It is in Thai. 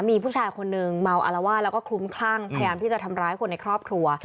มีผู้ชายคนนึงเมาอารวาสแล้วก็คลุ้มคลั่งพยายามที่จะทำร้ายคนในครอบครัว